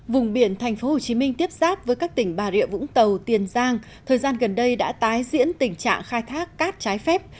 vùng biển tp hcm tiếp xác với các tỉnh bà rịa vũng tàu tiền giang thời gian gần đây đã tái diễn tình trạng khai thác cát trái phép